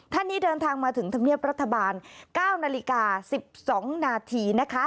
ท่านนี้เดินทางมาถึงธรรมเนียบรัฐบาล๙นาฬิกา๑๒นาทีนะคะ